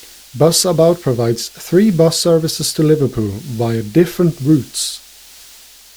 Busabout provides three bus services to Liverpool via different routes.